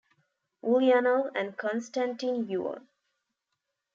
Ulyanov, and Konstantin Yuon.